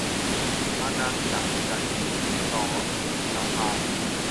อาณาจักรใจ - ส คุปตาภา